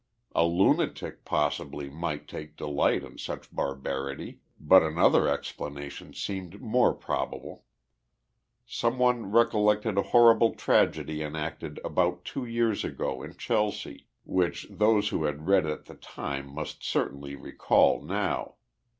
A lu natic, possibly, might take delight in such barbarity, but another explanation seemed more probable. Some one recollected a hor rible tragedy enacted about two years ago in Chelsea, which those, who had read at the time, must certainly re call now.